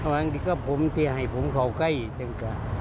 ตอนนี้ก็ผมที่ให้ผมเข้าใกล้จริง